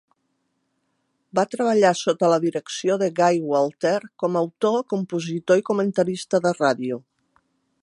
Va treballar sota la direcció de Guy Walter com autor, compositor i comentarista de ràdio.